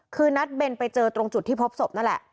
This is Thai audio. คือนัดเบนไปเจอตรงจุดที่พบศพนั่นแหละ